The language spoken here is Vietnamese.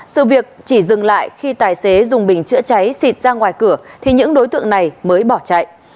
sự việc chỉ dừng lại khi tài xế dùng bình chữa cháy xịt ra ngoài cửa thì những đối tượng này mới bỏ chạy